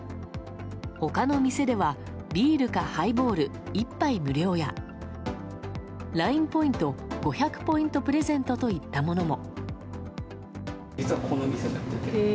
他の店ではビールかハイボール１杯無料やＬＩＮＥポイント５００ポイントプレゼントといったものも。